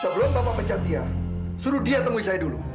sebelum bapak pecat dia suruh dia temui saya dulu